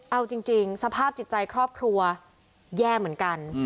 เอาจริงสภาพจิตใจครอบครัวแย่เหมือนกัน